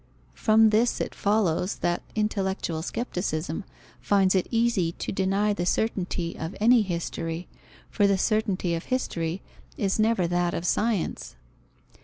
From this it follows that intellectual scepticism finds it easy to deny the certainty of any history, for the certainty of history is never that of science.